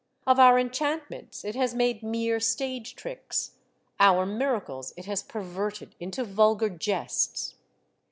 Of our enchantments it has made mere stage tricks, our miracles it has perverted into vulgar jests.